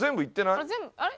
あれ？